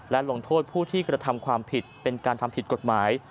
และลงโทษผู้ที่กระทำความผิดเป็นการทำผิดกฎหมาย